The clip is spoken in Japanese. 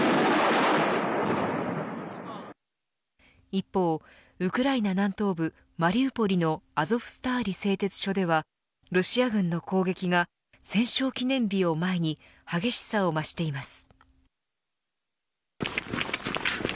一方、ウクライナ南東部マリウポリのアゾフスターリ製鉄所ではロシア軍の攻撃が戦勝記念日を前に激しさを増しています。